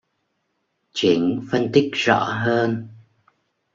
Chỉnh phân tích rõ hơn